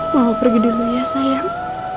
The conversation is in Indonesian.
mau pergi dulu ya sayang